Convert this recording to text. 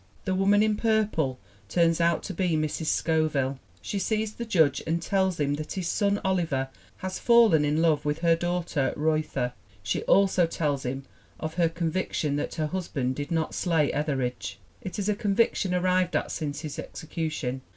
The woman in purple turns out to be Mrs. Scoville. She sees the Judge and tells him that his son, Oliver, has fallen in love with her daughter, Reuther. She also tells him of her conviction that her husband did not slay Etheridge. It is a conviction arrived at since his execution.